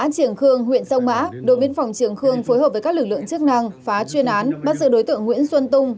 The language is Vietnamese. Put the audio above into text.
trường khương huyện sông mã đội biên phòng trường khương phối hợp với các lực lượng chức năng phá chuyên án bắt giữ đối tượng nguyễn xuân tung